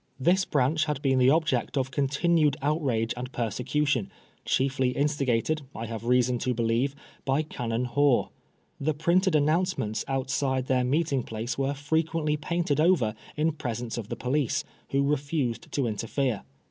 This Brarch had been the object of continued outrage and persecution, chiefly instigated, I have reason to believe, by Canon Hoare. The printed announcements outside their meeting place were frequently painted over in presence of the police, who refused to interfere.